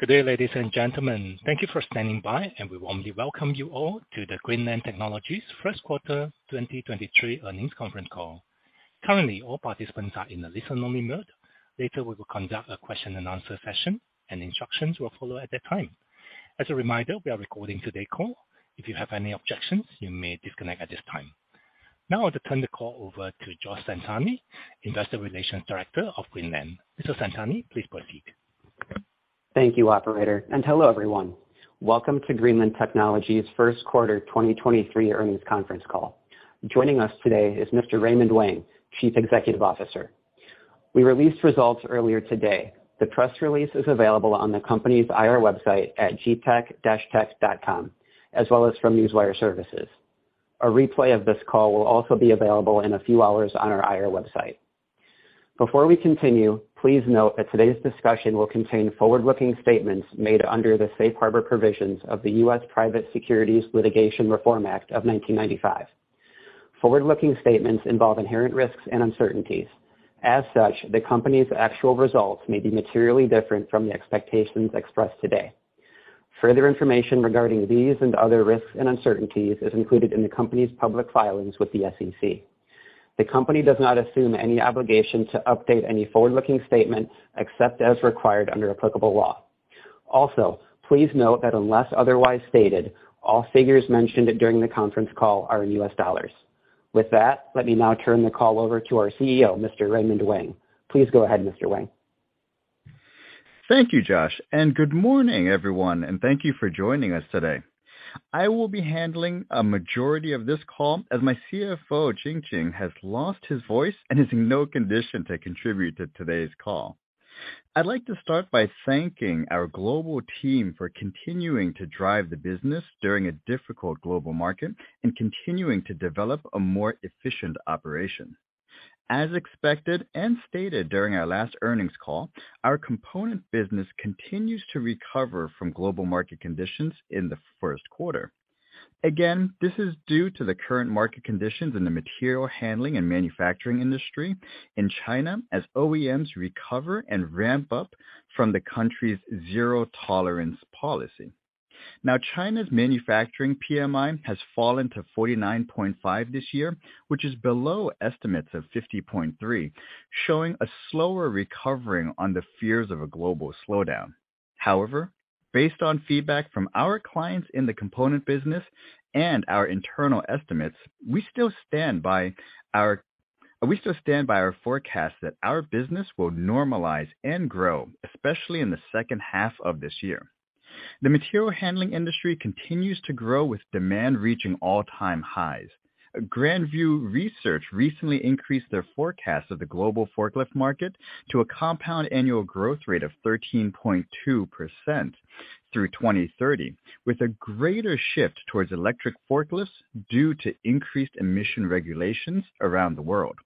Good day, ladies and gentlemen. Thank you for standing by, and we warmly welcome you all to the Greenland Technologies first quarter 2023 Earnings Conference Call. Currently, all participants are in a listen-only mode. Later, we will conduct a question and answer session, and instructions will follow at that time. As a reminder, we are recording today's call. If you have any objections, you may disconnect at this time. Now I'll turn the call over to Josh Centanni, Investor Relations Director of Greenland. Mr. Centanni, please proceed. Thank you, operator. Hello, everyone. Welcome to Greenland Technologies' first quarter 2023 earnings conference call. Joining us today is Mr. Raymond Wang, Chief Executive Officer. We released results earlier today. The press release is available on the company's IR website at gtec-tech.com, as well as from Newswire Services. A replay of this call will also be available in a few hours on our IR website. Before we continue, please note that today's discussion will contain forward-looking statements made under the Safe Harbor Provisions of the U.S. Private Securities Litigation Reform Act of 1995. Forward-looking statements involve inherent risks and uncertainties. As such, the company's actual results may be materially different from the expectations expressed today. Further information regarding these and other risks and uncertainties is included in the company's public filings with the SEC. The company does not assume any obligation to update any forward-looking statements except as required under applicable law. Also, please note that unless otherwise stated, all figures mentioned during the conference call are in US dollars. With that, let me now turn the call over to our CEO, Mr. Raymond Wang. Please go ahead, Mr. Wang. Thank you, Josh, and good morning, everyone, and thank you for joining us today. I will be handling a majority of this call as my CFO, Jing Jin, has lost his voice and is in no condition to contribute to today's call. I'd like to start by thanking our global team for continuing to drive the business during a difficult global market and continuing to develop a more efficient operation. As expected and stated during our last earnings call, our component business continues to recover from global market conditions in the first quarter. Again, this is due to the current market conditions in the material handling and manufacturing industry in China as OEMs recover and ramp up from the country's zero-tolerance policy. Now, China's manufacturing PMI has fallen to 49.5 this year, which is below estimates of 50.3, showing a slower recovering on the fears of a global slowdown. However, based on feedback from our clients in the component business and our internal estimates, we still stand by our forecast that our business will normalize and grow, especially in the second half of this year. The material handling industry continues to grow with demand reaching all-time highs. Grand View Research recently increased their forecast of the global forklift market to a compound annual growth rate of 13.2% through 2030, with a greater shift towards electric forklifts due to increased emission regulations around the world.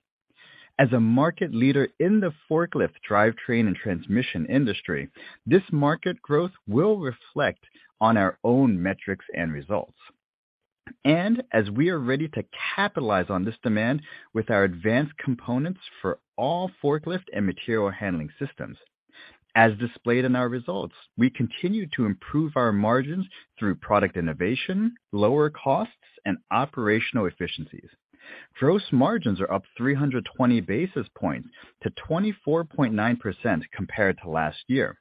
As a market leader in the forklift drivetrain and transmission industry, this market growth will reflect on our own metrics and results. As we are ready to capitalize on this demand with our advanced components for all forklift and material handling systems. As displayed in our results, we continue to improve our margins through product innovation, lower costs, and operational efficiencies. Gross margins are up 320 basis points to 24.9% compared to last year.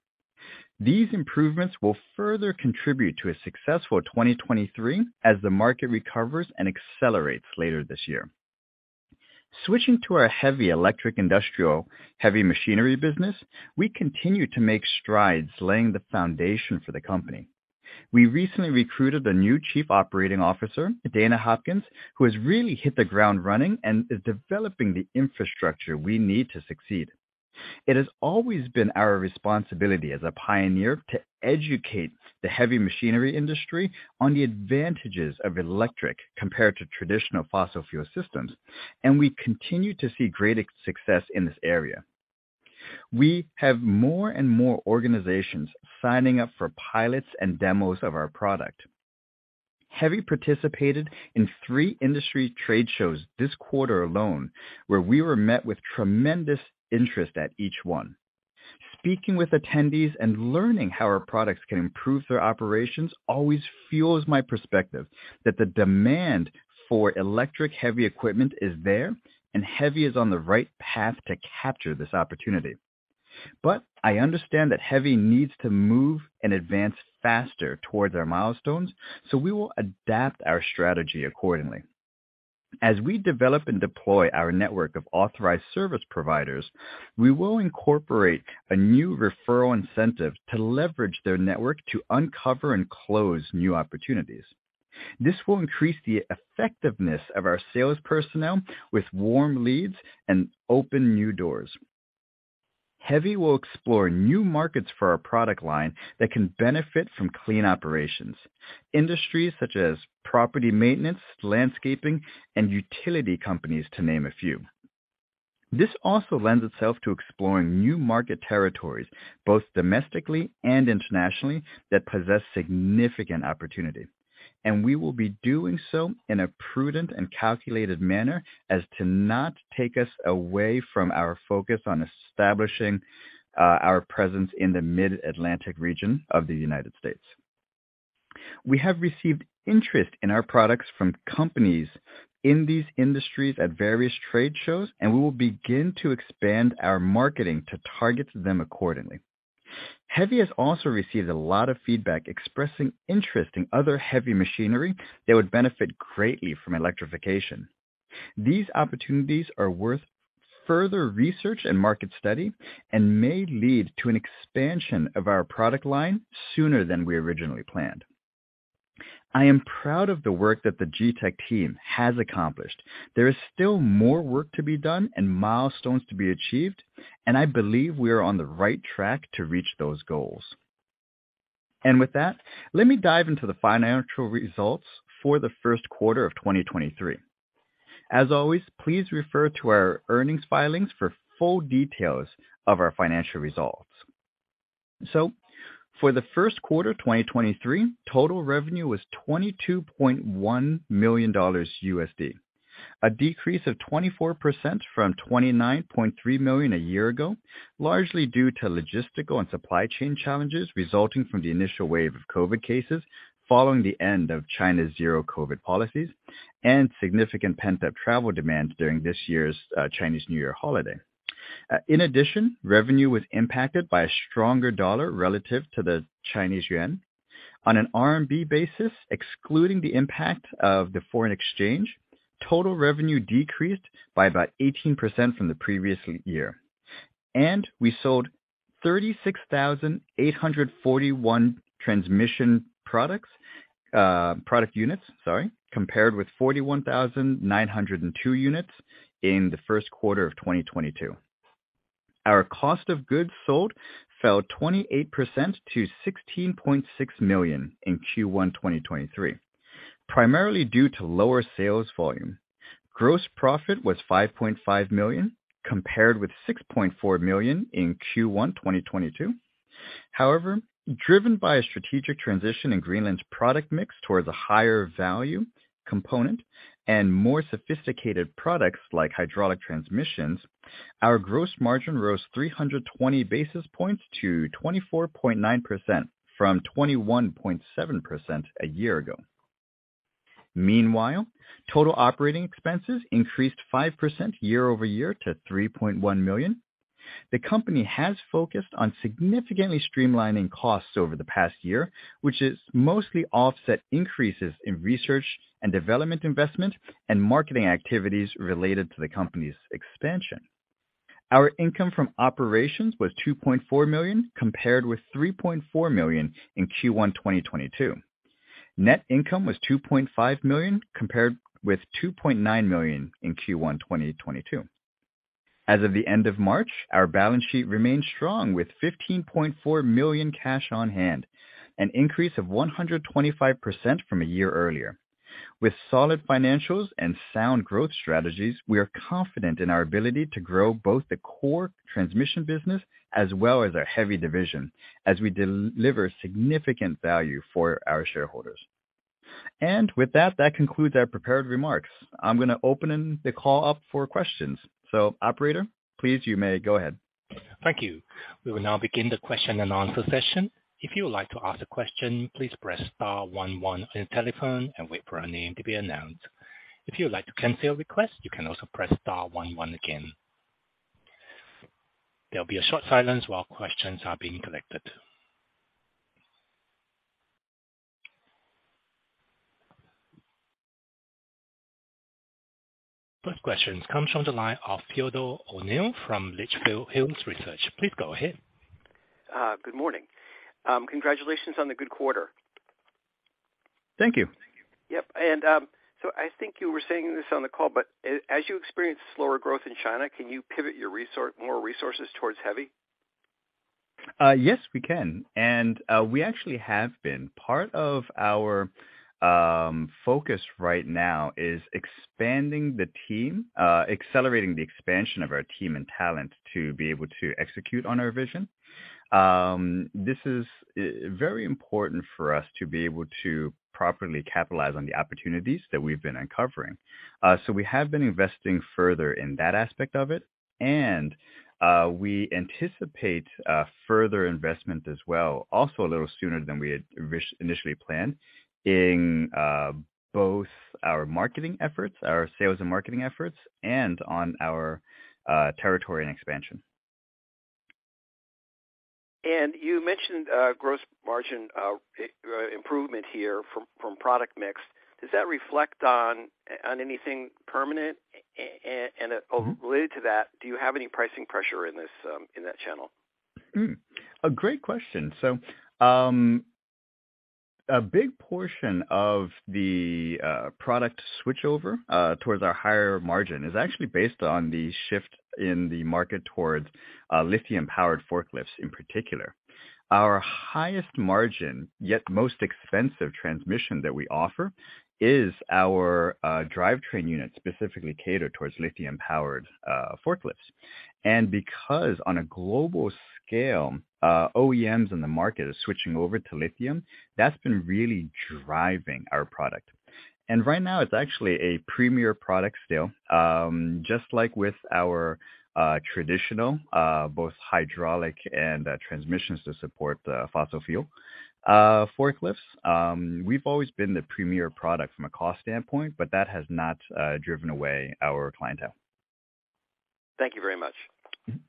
These improvements will further contribute to a successful 2023 as the market recovers and accelerates later this year. Switching to our heavy electric industrial heavy machinery business, we continue to make strides laying the foundation for the company. We recently recruited a new Chief Operating Officer, Dana Hopkins, who has really hit the ground running and is developing the infrastructure we need to succeed. It has always been our responsibility as a pioneer to educate the heavy machinery industry on the advantages of electric compared to traditional fossil fuel systems, and we continue to see great success in this area. We have more and more organizations signing up for pilots and demos of our product. HEVI participated in three industry trade shows this quarter alone, where we were met with tremendous interest at each one. Speaking with attendees and learning how our products can improve their operations always fuels my perspective that the demand for electric heavy equipment is there, and HEVI is on the right path to capture this opportunity. I understand that HEVI needs to move and advance faster towards our milestones, so we will adapt our strategy accordingly. As we develop and deploy our network of authorized service providers, we will incorporate a new referral incentive to leverage their network to uncover and close new opportunities. This will increase the effectiveness of our sales personnel with warm leads and open new doors. HEVI will explore new markets for our product line that can benefit from clean operations. Industries such as property maintenance, landscaping, and utility companies, to name a few. This also lends itself to exploring new market territories, both domestically and internationally, that possess significant opportunity. We will be doing so in a prudent and calculated manner as to not take us away from our focus on establishing our presence in the Mid-Atlantic region of the United States. We have received interest in our products from companies in these industries at various trade shows, and we will begin to expand our marketing to target them accordingly. HEVI has also received a lot of feedback expressing interest in other heavy machinery that would benefit greatly from electrification. These opportunities are worth further research and market study and may lead to an expansion of our product line sooner than we originally planned. I am proud of the work that the GTEC team has accomplished. There is still more work to be done and milestones to be achieved, and I believe we are on the right track to reach those goals. With that, let me dive into the financial results for the first quarter of 2023. As always, please refer to our earnings filings for full details of our financial results. For the first quarter, 2023, total revenue was $22.1 million, a decrease of 24% from $29.3 million a year ago, largely due to logistical and supply chain challenges resulting from the initial wave of COVID cases following the end of China's zero-COVID policies and significant pent-up travel demand during this year's Chinese New Year holiday. In addition, revenue was impacted by a stronger dollar relative to the Chinese yuan. On an RMB basis, excluding the impact of the foreign exchange, total revenue decreased by about 18% from the previous year. We sold 36,841 transmission products, product units, sorry, compared with 41,902 units in the first quarter of 2022. Our cost of goods sold fell 28% to $16.6 million in Q1 2023, primarily due to lower sales volume. Gross profit was $5.5 million, compared with $6.4 million in Q1 2022. Driven by a strategic transition in Greenland's product mix towards a higher value component and more sophisticated products like hydraulic transmissions, our gross margin rose 320 basis points to 24.9% from 21.7% a year ago. Total operating expenses increased 5% year-over-year to $3.1 million. The company has focused on significantly streamlining costs over the past year, which has mostly offset increases in research and development investment and marketing activities related to the company's expansion. Our income from operations was $2.4 million, compared with $3.4 million in Q1 2022. Net income was $2.5 million, compared with $2.9 million in Q1 2022. As of the end of March, our balance sheet remained strong with $15.4 million cash on hand, an increase of 125% from a year earlier. With solid financials and sound growth strategies, we are confident in our ability to grow both the core transmission business as well as our heavy division as we de-deliver significant value for our shareholders. With that concludes our prepared remarks. I'm gonna open the call up for questions. Operator, please, you may go ahead. Thank you. We will now begin the question and answer session. If you would like to ask a question, please press star one one on your telephone and wait for your name to be announced. If you would like to cancel your request, you can also press star one one again. There'll be a short silence while questions are being collected. First question comes from the line of Theodore O'Neill from Litchfield Hills Research. Please go ahead. Good morning. Congratulations on the good quarter. Thank you. Yep. I think you were saying this on the call, as you experience slower growth in China, can you pivot your more resources towards HEVI? Yes, we can. We actually have been. Part of our focus right now is expanding the team, accelerating the expansion of our team and talent to be able to execute on our vision. This is very important for us to be able to properly capitalize on the opportunities that we've been uncovering. We have been investing further in that aspect of it, and we anticipate further investment as well, also a little sooner than we had initially planned in both our marketing efforts, our sales and marketing efforts, and on our territory and expansion. You mentioned, gross margin, improvement here from product mix. Does that reflect on anything permanent? Related to that, do you have any pricing pressure in this, in that channel? A great question. A big portion of the product switchover towards our higher margin is actually based on the shift in the market towards lithium-powered forklifts in particular. Our highest margin, yet most expensive transmission that we offer is our drivetrain unit, specifically catered towards lithium-powered forklifts. Because on a global scale, OEMs in the market are switching over to lithium, that's been really driving our product. Right now it's actually a premier product still, just like with our traditional, both hydraulic and transmissions to support the fossil fuel forklifts. We've always been the premier product from a cost standpoint, but that has not driven away our clientele. Thank you very much. Thank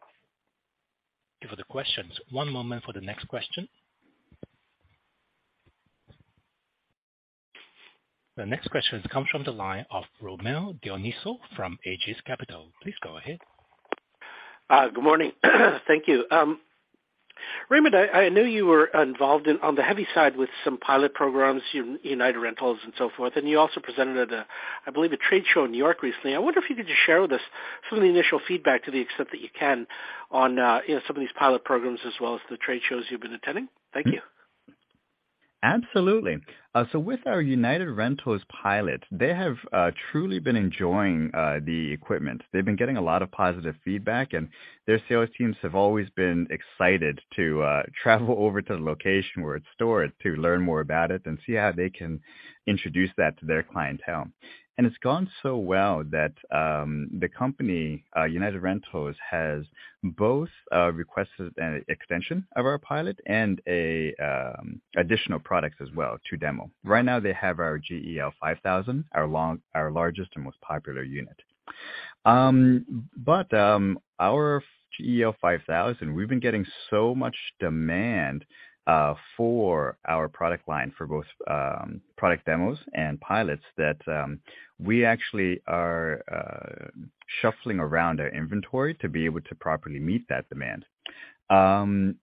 you for the questions. One moment for the next question. The next question comes from the line of Rommel Dionisio from Aegis Capital. Please go ahead. Good morning. Thank you. Raymond, I know you were involved on the heavy side with some pilot programs, United Rentals and so forth, and you also presented at a, I believe a trade show in New York recently. I wonder if you could just share with us some of the initial feedback to the extent that you can on, you know, some of these pilot programs as well as the trade shows you've been attending? Thank you. Absolutely. With our United Rentals pilot, they have truly been enjoying the equipment. They've been getting a lot of positive feedback, and their sales teams have always been excited to travel over to the location where it's stored to learn more about it and see how they can introduce that to their clientele. It's gone so well that the company, United Rentals, has both requested an extension of our pilot and additional products as well to demo. Right now they have our GEL-5000, our largest and most popular unit. Our GEL-5000, we've been getting so much demand for our product line for both product demos and pilots that we actually are shuffling around our inventory to be able to properly meet that demand.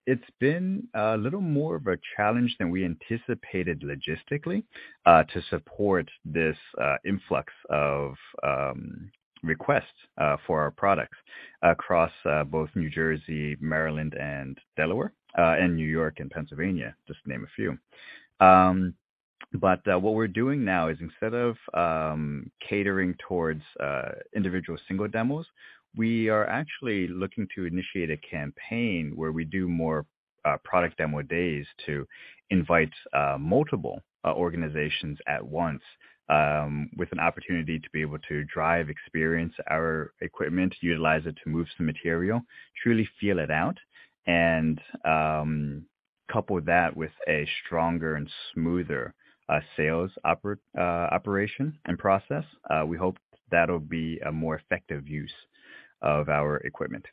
It's been a little more of a challenge than we anticipated logistically to support this influx of requests for our products across both New Jersey, Maryland, and Delaware, and New York and Pennsylvania, just to name a few. What we're doing now is instead of catering towards individual single demos, we are actually looking to initiate a campaign where we do more product demo days to invite multiple organizations at once with an opportunity to be able to drive, experience our equipment, utilize it to move some material, truly feel it out, and couple that with a stronger and smoother sales operation and process. We hope that'll be a more effective use of our equipment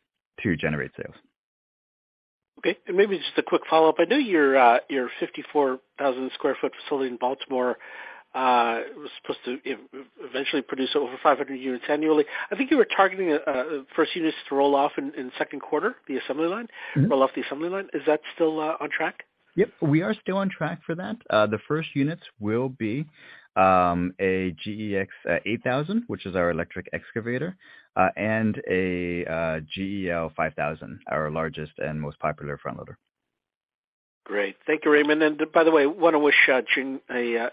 to generate sales. Okay. Maybe just a quick follow-up. I know your 54,000 sq ft facility in Baltimore was supposed to eventually produce over 500 units annually. I think you were targeting first units to roll off in second quarter, the assembly line. Mm-hmm. Roll off the assembly line. Is that still on track? Yep. We are still on track for that. The first units will be a GEL-5000, which is our electric excavator, and a GEX-8000, our largest and most popular front loader. Great. Thank you, Raymond. By the way, wanna wish Jinjai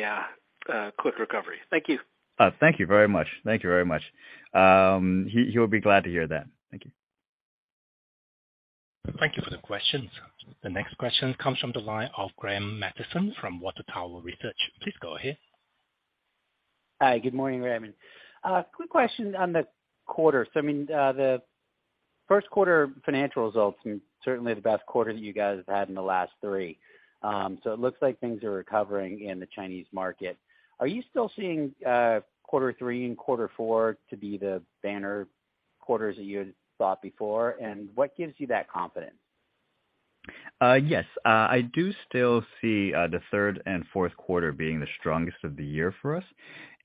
a quick recovery. Thank you. Thank you very much. Thank you very much. He will be glad to hear that. Thank you. Thank you for the questions. The next question comes from the line of Graham Mattison from Water Tower Research. Please go ahead. Hi. Good morning, Raymond. Quick question on the quarter? I mean, the first quarter financial results and certainly the best quarter that you guys have had in the last three. It looks like things are recovering in the Chinese market. Are you still seeing quarter three and quarter four to be the banner quarters that you had thought before? What gives you that confidence? Yes. I do still see the third and fourth quarter being the strongest of the year for us,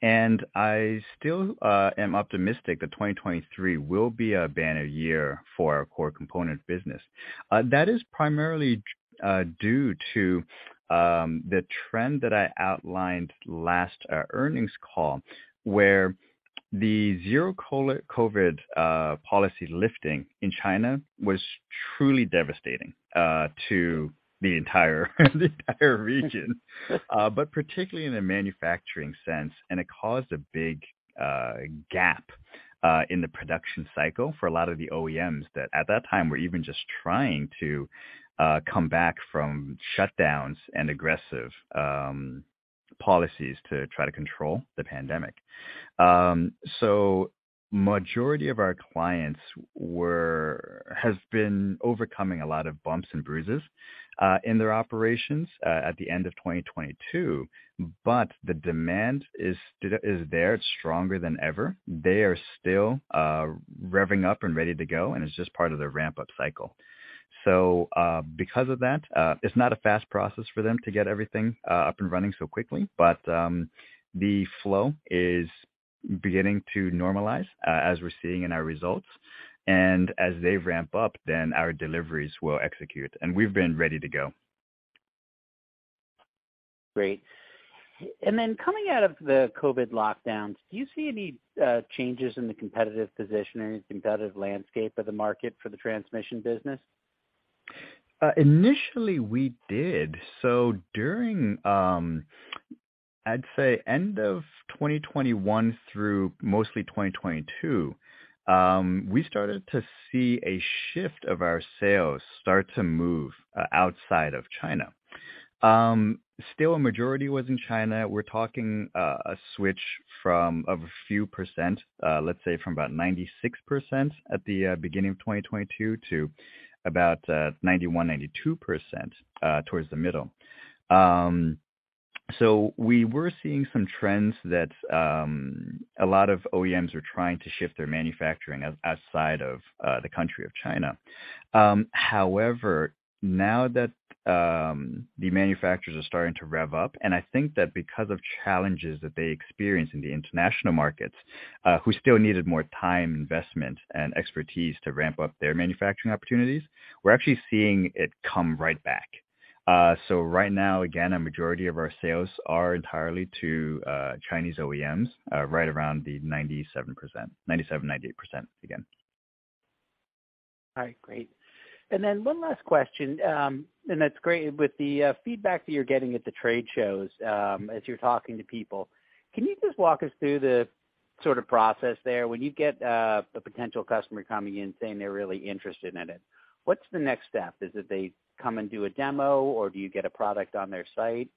and I still am optimistic that 2023 will be a banner year for our core component business. That is primarily due to the trend that I outlined last earnings call, where the zero-COVID policy lifting in China was truly devastating to the entire region, but particularly in a manufacturing sense. It caused a big gap in the production cycle for a lot of the OEMs that at that time were even just trying to come back from shutdowns and aggressive policies to try to control the pandemic. Majority of our clients were, has been overcoming a lot of bumps and bruises, in their operations, at the end of 2022, but the demand is still, is there. It's stronger than ever. They are still, revving up and ready to go, and it's just part of their ramp-up cycle. Because of that, it's not a fast process for them to get everything, up and running so quickly, but, the flow is beginning to normalize, as we're seeing in our results. As they ramp up, then our deliveries will execute, and we've been ready to go. Great. Coming out of the COVID lockdowns, do you see any changes in the competitive position or competitive landscape of the market for the transmission business? Initially we did. During, I'd say end of 2021 through mostly 2022, we started to see a shift of our sales start to move outside of China. Still a majority was in China. We're talking a switch from of a few %, let's say from about 96% at the beginning of 2022 to about 91%-92% towards the middle. We were seeing some trends that a lot of OEMs were trying to shift their manufacturing outside of the country of China. However, now that the manufacturers are starting to rev up, and I think that because of challenges that they experience in the international markets, who still needed more time, investment, and expertise to ramp up their manufacturing opportunities, we're actually seeing it come right back. Right now, again, a majority of our sales are entirely to Chinese OEMs, right around the 97%. 97%-98% again. All right, great. One last question, and that's great. With the feedback that you're getting at the trade shows, as you're talking to people, can you just walk us through the sort of process there? When you get a potential customer coming in saying they're really interested in it, what's the next step? Is it they come and do a demo, or do you get a product on their site?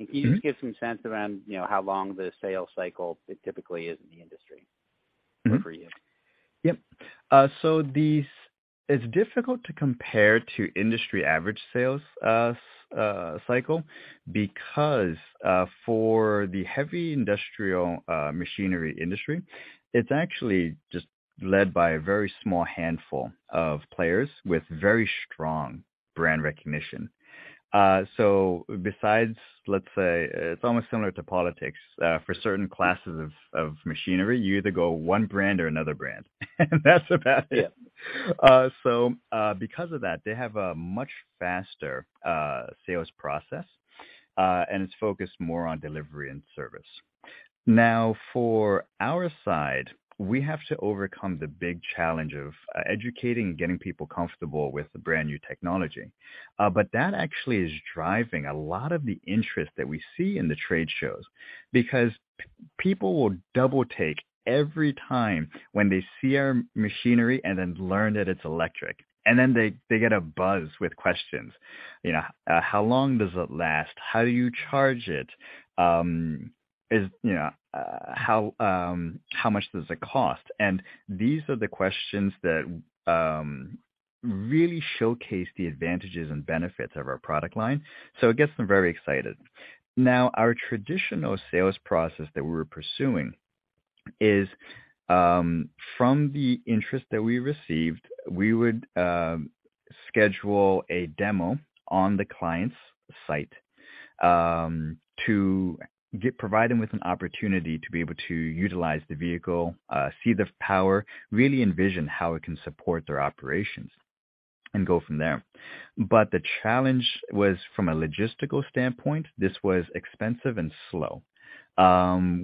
Mm-hmm. Can you just give some sense around, you know, how long the sales cycle typically is in the industry? Mm-hmm or for you? Yep. It's difficult to compare to industry average sales cycle because for the heavy industrial machinery industry, it's actually just led by a very small handful of players with very strong brand recognition. Besides, let's say, it's almost similar to politics. For certain classes of machinery, you either go one brand or another brand, and that's about it. Because of that, they have a much faster sales process, and it's focused more on delivery and service. Now, for our side, we have to overcome the big challenge of educating and getting people comfortable with the brand-new technology. That actually is driving a lot of the interest that we see in the trade shows because people will double take every time when they see our machinery and then learn that it's electric. They, they get abuzz with questions. You know, how long does it last? How do you charge it? You know, how much does it cost? These are the questions that really showcase the advantages and benefits of our product line, so it gets them very excited. Our traditional sales process that we're pursuing is, from the interest that we received, we would schedule a demo on the client's site, provide them with an opportunity to be able to utilize the vehicle, see the power, really envision how it can support their operations and go from there. The challenge was from a logistical standpoint, this was expensive and slow.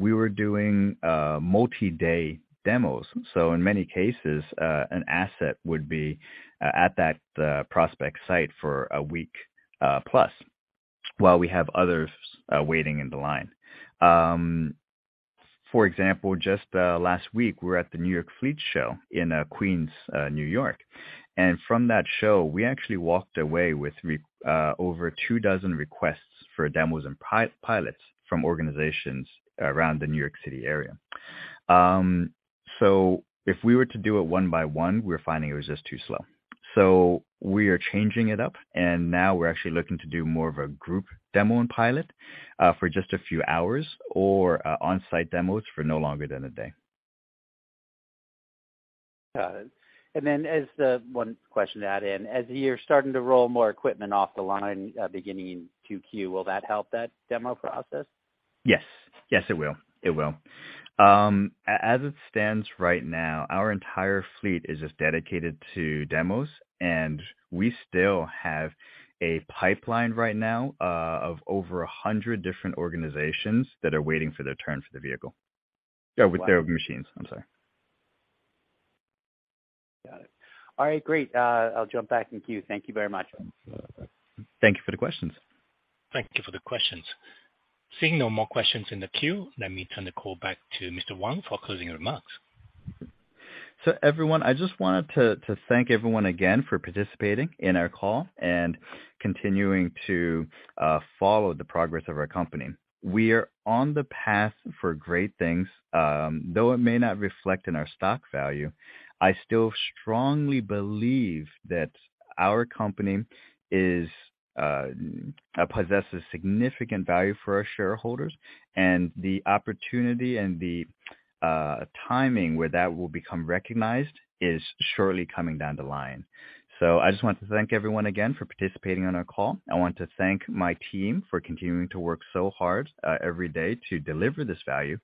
We were doing multi-day demos, so in many cases, an asset would be at that prospect site for 1 week plus, while we have others waiting in the line. For example, just last week, we were at the NYC Fleet Show in Queens, N.Y. From that show, we actually walked away with over 2 dozen requests for demos and pilots from organizations around the New York City area. If we were to do it 1 by 1, we're finding it was just too slow. We are changing it up, and now we're actually looking to do more of a group demo and pilot for just a few hours or on-site demos for no longer than 1 day. Got it. One question to add in. As you're starting to roll more equipment off the line, beginning in 2Q, will that help that demo process? Yes. Yes, it will. As it stands right now, our entire fleet is just dedicated to demos, and we still have a pipeline right now of over 100 different organizations that are waiting for their turn for the vehicle. With their machines, I'm sorry. Got it. All right, great. I'll jump back in queue. Thank you very much. Thank you for the questions. Thank you for the questions. Seeing no more questions in the queue, let me turn the call back to Mr. Wang for closing remarks. Everyone, I just wanted to thank everyone again for participating in our call and continuing to follow the progress of our company. We are on the path for great things. Though it may not reflect in our stock value, I still strongly believe that our company is possesses significant value for our shareholders and the opportunity and the timing where that will become recognized is surely coming down the line. I just want to thank everyone again for participating on our call. I want to thank my team for continuing to work so hard every day to deliver this value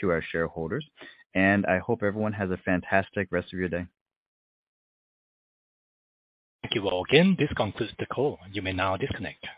to our shareholders. I hope everyone has a fantastic rest of your day. Thank you all again. This concludes the call. You may now disconnect.